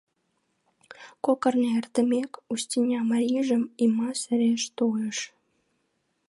Кок арня эртымек, Устиня марийжым Има сереш тойыш.